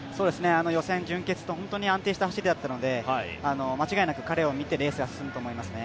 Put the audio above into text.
予選、準決と非常に安定した走りだったので間違いなく彼を見てレースが進むと思いますね。